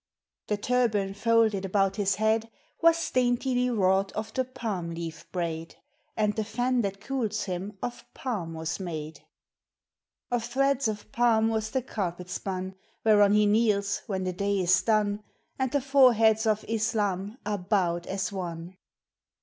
The turban folded about his head Was daintily wrought of the palm leaf braid, And the fan that cools him of palm was made. Of threads of palm was the carpet spun Whereon he kneels when the day is done, And the foreheads of Islam are bowed as one!